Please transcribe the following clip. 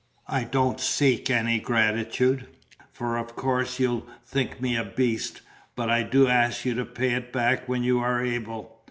I don't seek any gratitude, for of course you'll think me a beast; but I do ask you to pay it back when you are able.